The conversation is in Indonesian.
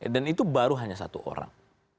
dan itu baru hanya satu orang